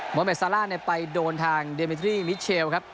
อเมดซาล่าไปโดนทางเดมิตรี่มิเชลครับ